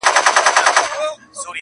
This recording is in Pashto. o چي ډېرى سي، مردارى سي!